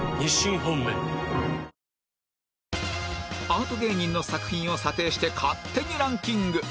アート芸人の作品を査定して勝手にランキング